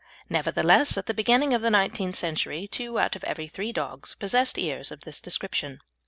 Nevertheless at the beginning of the nineteenth century two out of every three dogs possessed ears of this description.